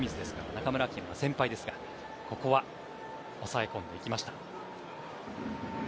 中村晃は先輩ですがここは抑え込んでいきました。